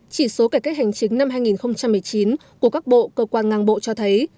chỉ số cải cách hành chính năm hai nghìn một mươi chín của các bộ cơ quan ngang bộ cho thấy